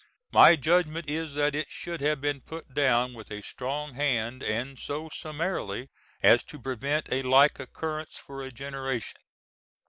My judgment is that it should have been put down with a strong hand and so summarily as to prevent a like occurrence for a generation.